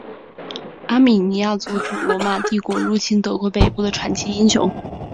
阿米尼亚阻止罗马帝国入侵德国北部的传奇英雄。